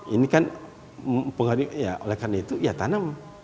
ini kan oleh karena itu ya tanam